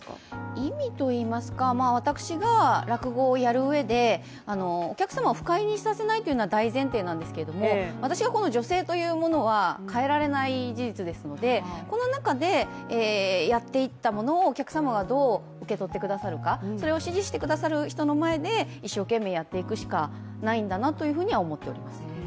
意味といいますか、私が落語をやるうえでお客様を不快にさせないというのが大前提なんですけれども私が女性というものは変えられない事実ですので、この中で、やっていったものをお客様がどう受け取ってくださるか、それを支持してくださる人の前で一生懸命やっていくしかないんだなとは思っています。